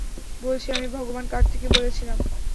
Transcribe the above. বলছি, আমি ভগবান কার্তিকে বলেছিলাম।